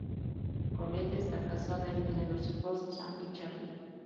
Colette está casada y tiene dos hijos, Sam y Charlie.